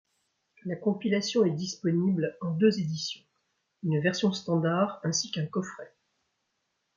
La compilation est disponible en deux éditions, une version standard ainsi qu'un coffret.